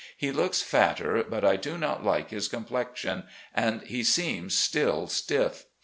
He looks fatter, but I do not like his complexion, and he seems still stiff.